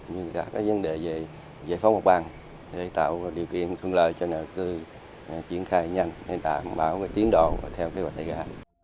như các vấn đề về giải phóng mặt bằng để tạo điều kiện thường lợi cho đầu tư triển khai nhanh đảm bảo tiến độ theo kế hoạch đại gia